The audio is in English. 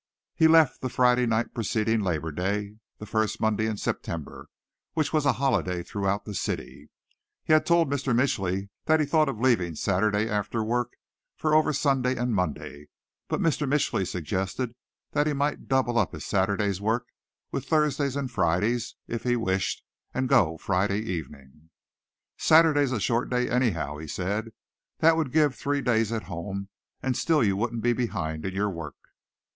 He left the Friday night preceding Labor Day, the first Monday in September, which was a holiday throughout the city. He had told Mr. Mitchly that he thought of leaving Saturday after work for over Sunday and Monday, but Mr. Mitchly suggested that he might double up his Saturday's work with Thursday's and Friday's if he wished, and go Friday evening. "Saturday's a short day, anyhow," he said. "That would give three days at home and still you wouldn't be behind in your work."